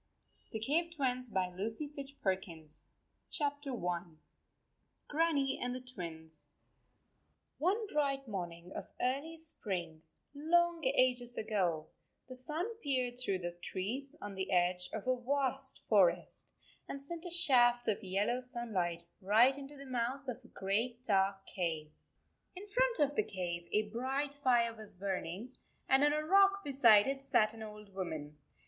They are every one of them there. I GRANNIE AND THE TWINS I GRANNIE AND THE TWINS ONE bright morning of early spring, long ages ago, the sun peered through the trees on the edge of a vast forest, and sent a shaft of yellow sunlight right into the mouth of a great, dark cave. In front of the cave a bright fire was burning, and on a rock be side it sat an old woman.